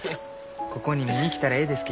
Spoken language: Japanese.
ここに見に来たらえいですき。